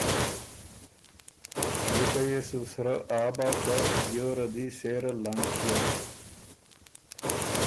جِکه يې سُو سرۀ آ بۀ که دیوره دی سېره لنډ کيېن،